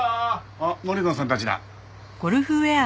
あっ森野さんたちだ。